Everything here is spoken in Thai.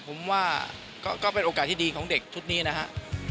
ผมว่าก็เป็นโอกาสที่ดีของเด็กชุดนี้นะครับ